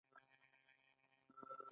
د معدې درد لپاره نعناع وکاروئ